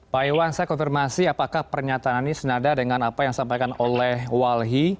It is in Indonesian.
pak iwan saya konfirmasi apakah pernyataan ini senada dengan apa yang disampaikan oleh walhi